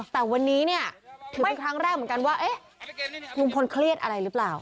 แต่วันนี้เนี่ยเป็นครั้งแรกเหมือนกันว่าเอ๊ะลุงพลเครียดอะไรหรือเปล่า